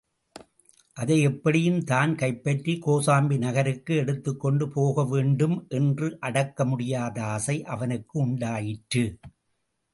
அதை எப்படியும் தான் கைப்பற்றிக் கோசாம்பி நகருக்கு எடுத்துக்கொண்டு போகவேண்டும் என்ற அடக்க முடியாத ஆசை அவனுக்கு உண்டாயிற்று.